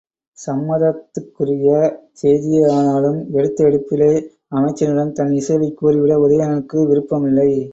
சம்மதத்திற்குரிய செய்தியே ஆனாலும், எடுத்த எடுப்பில் அமைச்சனிடம் தன் இசைவைக் கூறிவிட உதயணனுக்கு விருப்பமில்லை.